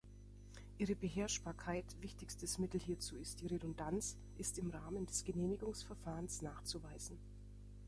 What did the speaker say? Ihre Beherrschbarkeit, wichtigstes Mittel hierzu ist die Redundanz, ist im Rahmen des Genehmigungsverfahrens nachzuweisen.